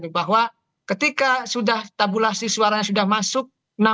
bahwa ketika sudah tabulasi suaranya sudah masuk